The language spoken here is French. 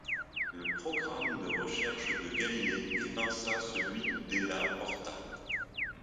Le programme de recherche de Galilée évinça celui de Della Porta.